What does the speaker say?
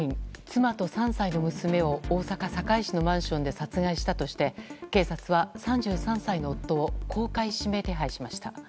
妻と３歳の娘を大阪・堺市のマンションで殺害したとして警察は、３３歳の夫を公開指名手配しました。